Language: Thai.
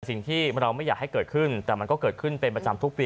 สิ่งที่เราไม่อยากให้เกิดขึ้นแต่มันก็เกิดขึ้นเป็นประจำทุกปี